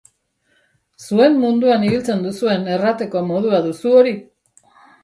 Zuen munduan ibiltzen duzuen errateko modua duzu hori!